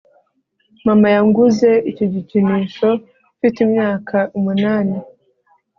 Mama yanguze iki gikinisho mfite imyaka umunani